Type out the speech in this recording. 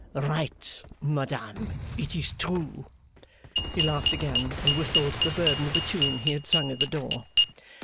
'Right, madame. It is true.' He laughed again, and whistled the burden of the tune he had sung at the door.